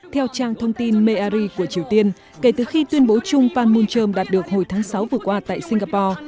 theo trang thông tin mary của triều tiên kể từ khi tuyên bố chung panmunjom đạt được hồi tháng sáu vừa qua tại singapore